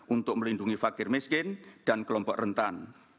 untuk melindungi fakir miskin dan kelompok rentan